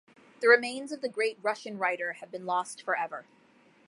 The remains of the great Russian writer have been lost forever.